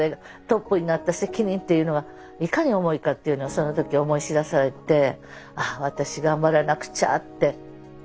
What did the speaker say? トップになった責任っていうのがいかに重いかっていうのをその時思い知らされてああ私頑張らなくちゃって。